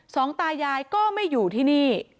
สองตายายก็ไม่อยู่ที่นี่